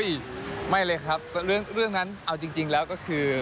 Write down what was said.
ไม่ไม่เลยครับเรื่องนั้นเอาจริงแล้วก็คือ